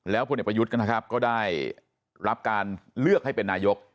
แล้วพลเอกประยุทธก็ได้รับการเลือกให้เป็นนายก